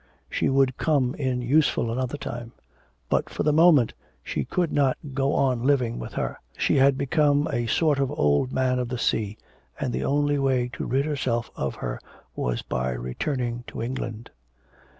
She would come in useful another time. But, for the moment, she could not go on living with her, she had become a sort of Old Man of the Sea, and the only way to rid herself of her was by returning to England.